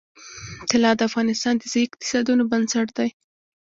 طلا د افغانستان د ځایي اقتصادونو بنسټ دی.